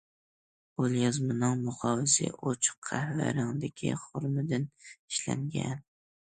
قول يازمىنىڭ مۇقاۋىسى ئوچۇق قەھۋە رەڭگىدىكى خۇرۇمدىن ئىشلەنگەن.